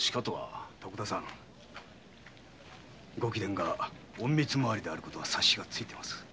徳田さんが「隠密回り」である事は察しがついています。